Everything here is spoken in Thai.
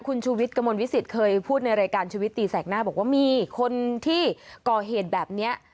คุณชูวิทย์กระมวลวิสิตเคยพูดในรายการชีวิตตีแสกหน้าบอกว่ามีคนที่ก่อเหตุแบบนี้